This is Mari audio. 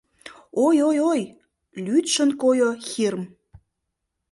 — Ой-ой-ой! — лӱдшын койо Хирм.